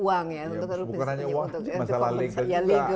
bukan hanya uang masalah legal juga